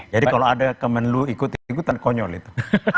jadi kalau ada kemenlu ikut ikutan konyol itu